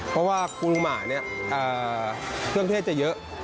เพราะว่าปูหมาเนี่ยเครื่องเทศจะเยอะ